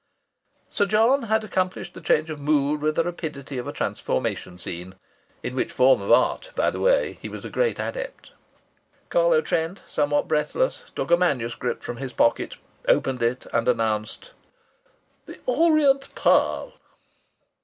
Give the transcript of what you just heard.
Sir John had accomplished the change of mood with the rapidity of a transformation scene in which form of art, by the way, he was a great adept. Carlo Trent, somewhat breathless, took a manuscript from his pocket, opened it, and announced: "The Orient Pearl."